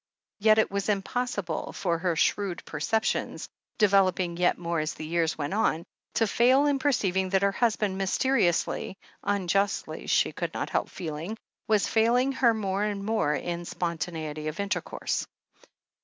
Yet it was impossible for her shrewd perceptions, developing yet more as the years went on, to fail in perceiving that her husband mysteriously — unjustly, she could not help feeling — ^was failing her more and more in spontaneity of intercourse.